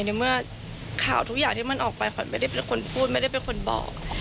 ในเมื่อข่าวทุกอย่างที่มันออกไปขวัญไม่ได้เป็นคนพูดไม่ได้เป็นคนบอก